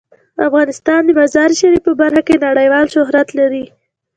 افغانستان د مزارشریف په برخه کې نړیوال شهرت لري.